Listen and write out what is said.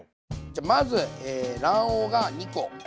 じゃあまず卵黄が２コはい。